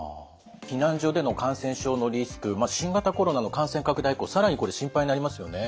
避難所での感染症のリスク新型コロナの感染拡大以降更にこれ心配になりますよね。